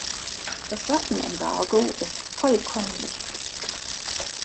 Das Waffenembargo ist vollkommen löchrig.